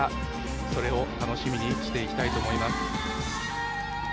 それを楽しみにしていきたいと思います。